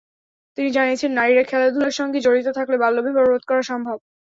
তিনি জানিয়েছেন, নারীরা খেলাধুলার সঙ্গে জড়িত থাকলে বাল্যবিবাহ রোধ করা সম্ভব।